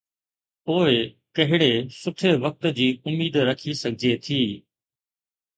پوءِ ڪهڙي سٺي وقت جي اميد رکي سگهجي ٿي.